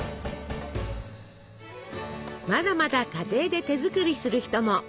まだまだ家庭で手作りする人も。